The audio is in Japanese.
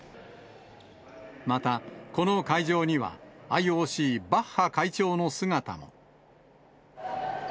また、この会場には、ＩＯＣ、バッハ会長の姿も。